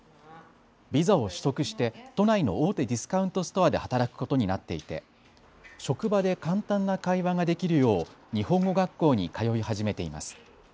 ビザを取得して都内の大手ディスカウントストアで働くことになっていて職場で簡単な会話ができるよう日本語学校に通い始めています。